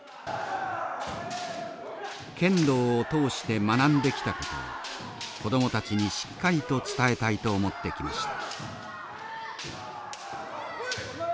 剣道を通して学んできたことを子供たちにしっかりと伝えたいと思ってきました。